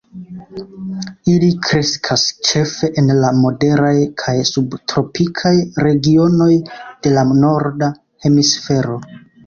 Ili kreskas ĉefe en la moderaj kaj subtropikaj regionoj de la norda hemisfero.